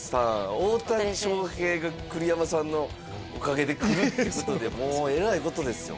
大谷翔平が栗山さんのおかげで来るってことでもうえらいことですよ